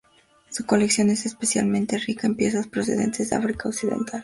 Su colección es especialmente rica en piezas procedentes de África occidental.